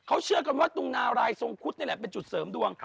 เขาเชื่อกันว่าตรงนารายทรงคุดนี่แหละเป็นจุดเสริมดวง